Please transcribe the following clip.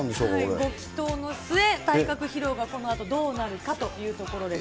ご祈とうの末、体格披露がこのあとどうなるかというところです。